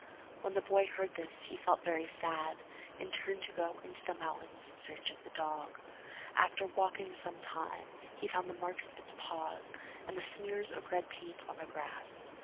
When the boy heard this, he felt very sad, and turned to go into the mountains in search of the dog. After walking some time he found the marks of its paws, and smears of red paint on the grass.